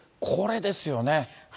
これですよね。